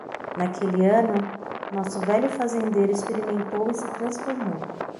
Naquele ano, nosso velho fazendeiro experimentou e se transformou.